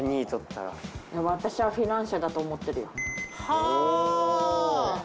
私はフィナンシェだと思ってるよ。